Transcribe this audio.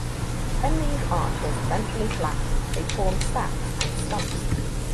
When these arches eventually collapse, they form stacks and stumps.